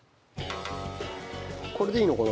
これでいいのかな？